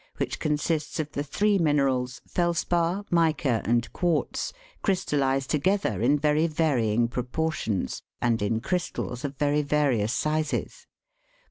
10), which consists of the three minerals, felspar, mica, and quartz, crystallised together in very varying proportions, and in crystals of very various sizes.